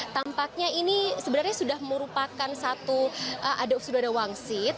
tampaknya ini sebenarnya sudah merupakan satu sudah ada wangsit